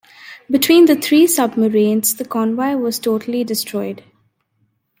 Between the three submarines, the convoy was totally destroyed.